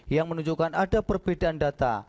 yang menunjukkan ada perbedaan data